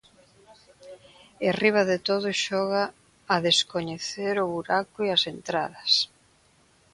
E riba de todo xoga a descoñecer o buraco e as entradas.